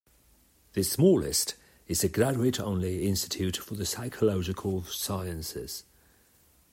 The smallest is the graduate-only Institute for the Psychological Sciences.